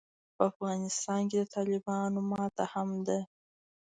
په افغانستان کې د طالبانو ماته هم ده.